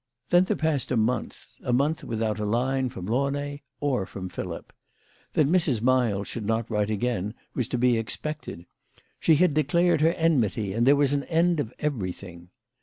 Then there passed a month a month without a line from Launay or from Philip. That Mrs. Miles should not write again was to be expected. She had declared her enmity, and there was an end of everything.